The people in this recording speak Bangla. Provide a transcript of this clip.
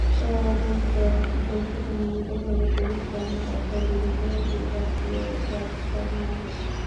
তদন্তে দোষী প্রমাণিত হলে পুলিশ কর্মকর্তার বিরুদ্ধে বিভাগীয় ব্যবস্থা নেওয়া হবে।